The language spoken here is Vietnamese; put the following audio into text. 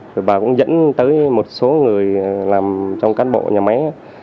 rồi và cũng dẫn tới một số người làm trong cán bộ nhà máy